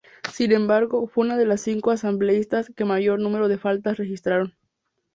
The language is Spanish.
Sin embargo fue una de las cinco asambleístas que mayor número de faltas registraron.